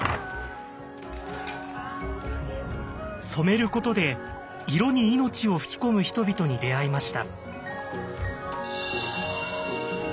「染めること」で色に命を吹き込む人々に出会いました。